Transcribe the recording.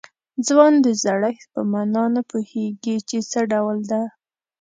ځوان د زړښت په معنا نه پوهېږي چې څه ډول ده.